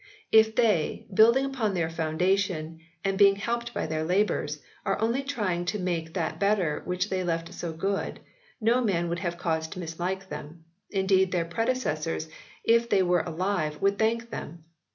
If they, building upon their foundation and being helped by their labours, are only trying to make that better which they left so good, no man would have cause to mislike them ; indeed their predecessors, if they were alive, would thank them.